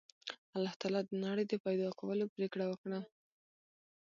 الله تعالی د نړۍ د پیدا کولو پرېکړه وکړه